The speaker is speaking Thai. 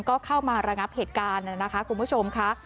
ก็เข้ามาระงับเหตุการณ์นะคะคุณผู้ชมค่ะ